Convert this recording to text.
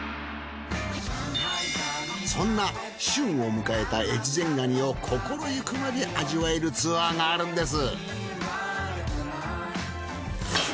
そんな旬を迎えた越前ガニを心ゆくまで味わえるツアーがあるんです。